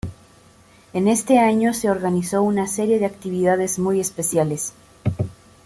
En este año, se organizó una serie de actividades muy especiales.